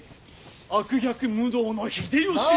悪逆無道の秀吉に」。